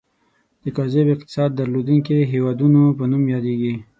د کاذب اقتصاد درلودونکي هیوادونو په نوم یادیږي.